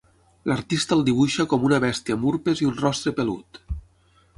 L'artista el dibuixa com una bèstia amb urpes i un rostre pelut.